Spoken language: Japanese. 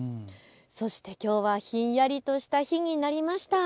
そしてきょうはひんやりとした日になりました。